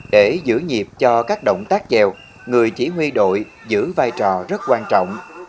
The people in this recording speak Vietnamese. để giữ nhịp cho các động tác trèo người chỉ huy đội giữ vai trò rất quan trọng